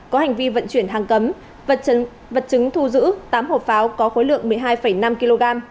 có hành vi vận chuyển hàng cấm vật chứng thu giữ tám hộp pháo có khối lượng một mươi hai năm kg